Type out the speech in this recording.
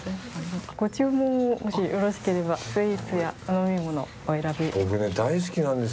ご注文をもしよろしければスイーツやお飲み物お選び。